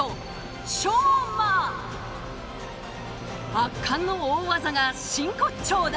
圧巻の大技が真骨頂だ。